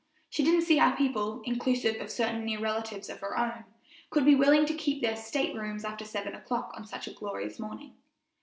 She didn't see how people, inclusive of certain near relatives of her own, could be willing to keep their state rooms after seven o'clock on such a glorious morning.